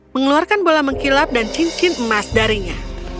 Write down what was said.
mengeluarkan bola mengkilap dan cincin emas darinya